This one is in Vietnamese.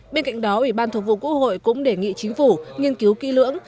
bên cạnh đó ủy ban thường vụ quốc hội cũng đề nghị chính phủ nghiên cứu kỹ lưỡng